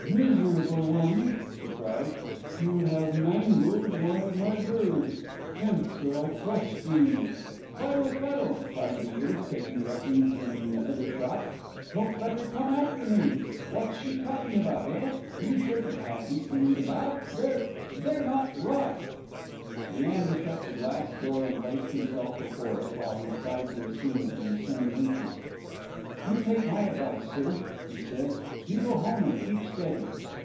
"Miserable one!" she cried, "you have mangled one of my birds. Hence, or I crush thee!" "Tweddle! Tweddle!" cried the youth, taking refuge in the other shop, "don't let her come after me! What's she talking about, eh? You shouldn't have these things about; they're they're not right!" Leander shut the glass door and placed himself before it, while he tried to assume a concerned interest. "You take my advice, sir," he said; "you go home and keep steady."